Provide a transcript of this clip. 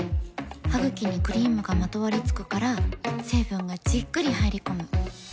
ハグキにクリームがまとわりつくから成分がじっくり入り込む。